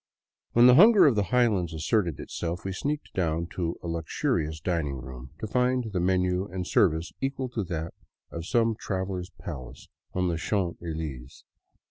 When the hunger of the highlands asserted itself, we sneaked down to a luxurious diningroom to find the menu and service equal to that of some travelers' palace on the Champs Elysees.